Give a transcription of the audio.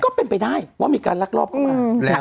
ก็เป็นไปได้ว่ามีการลักลอบเข้ามาแล้ว